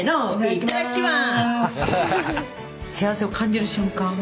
いただきます。